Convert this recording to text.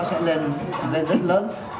nó sẽ lên đến lớn